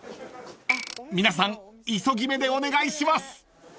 ［皆さん急ぎめでお願いします］